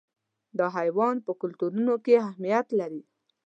دا حیوان په کلتورونو کې اهمیت لري.